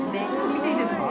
見ていいですか？